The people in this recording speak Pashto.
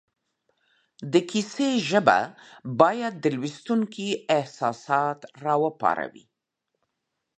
د کیسې ژبه باید د لوستونکي احساسات را وپاروي